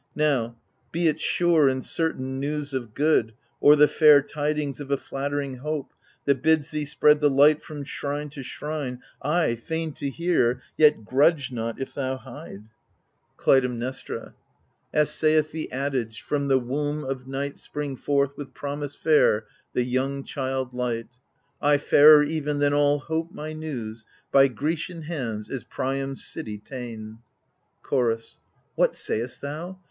Now — be it sure and certain news of good, Or the fair tidings of a flatt'ring hope. That bids thee spread the light from shrine to shrine, 1, fain to hear, yet grudge not if thoU hide* 14 AGAMEMNON Clytemnestra As saith the adage, From the womb of Night Spring forthy with promise fairy the young child Light, Ay — fairer even than all hope my news — By Grecian hands is Priam's city ta'en I Chorus What say'st thou